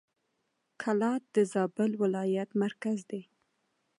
کلات د زابل ولایت مرکز دی.